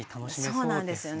そうなんですよね。